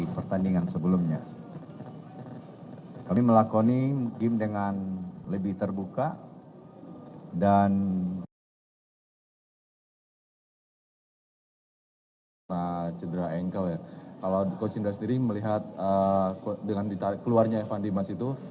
pertanyaan terakhir kalau coach indra sendiri melihat dengan keluarnya evan dimas itu